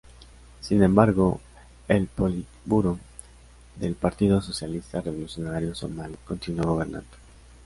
Sin embargo, el politburó del Partido Socialista Revolucionario Somalí continuó gobernando.